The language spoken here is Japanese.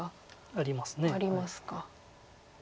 ありますか。